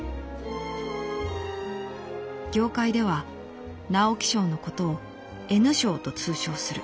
「業界では直木賞のことを『Ｎ賞』と通称する」。